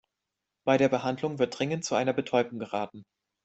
Bei der Behandlung wird dringend zu einer Betäubung geraten.